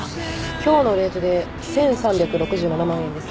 今日のレートで１，３６７万円です。